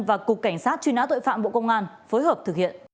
và cục cảnh sát truy nã tội phạm bộ công an phối hợp thực hiện